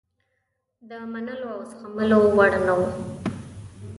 د منلو او زغملو وړ نه وه.